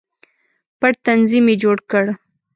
پټ تنظیم یې جوړ کړ.